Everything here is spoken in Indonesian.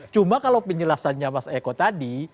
cuma kalau penjelasannya mas eko tadi